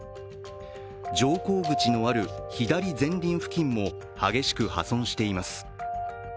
乗降口のある左前輪付近も激しく破損しています。